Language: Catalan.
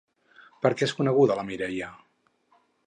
Per què és coneguda la Mireia?